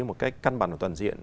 một cách căn bằng và toàn diện